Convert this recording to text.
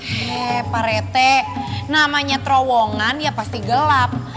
he pak rete namanya terowongan ya pasti gelap